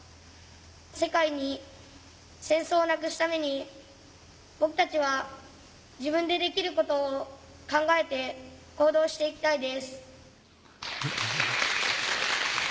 世界に戦争をなくすために僕たちは自分でできることを考えて行動していきたいです。